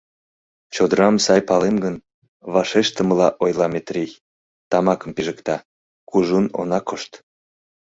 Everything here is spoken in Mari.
— Чодырам сай палем гын, — вашештымыла ойла Метрий, тамакым пижыкта, — кужун она кошт.